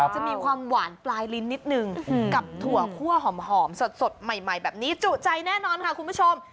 จะมีความหวานปลายลิ้นนิดนึงกับถั่วคั่วหอมสดใหม่แบบนี้จุใจแน่นอนค่ะคุณผู้ชม